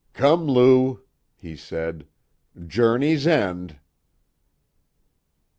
"Come, Lou," he said. "Journey's end."